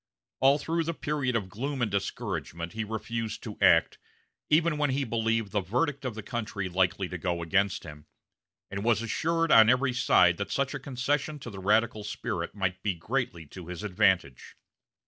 All through the period of gloom and discouragement he refused to act, even when he believed the verdict of the country likely to go against him, and was assured on every side that such a concession to the radical spirit might be greatly to his advantage.